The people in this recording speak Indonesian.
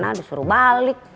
mbak mirna disuruh balik